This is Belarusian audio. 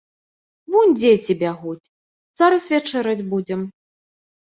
Вунь дзеці бягуць, зараз вячэраць будзем.